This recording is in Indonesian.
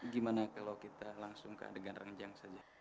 gimana kalau kita langsung ke adegan renjang saja